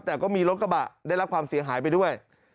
แต่ก็มีรถกระบะได้รับความเสียหายไปด้วย